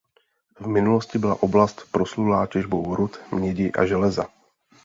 V minulosti byla oblast proslulá těžbou rud mědi a železa.